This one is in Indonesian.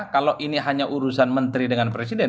kalau ini hanya urusan menteri dengan presiden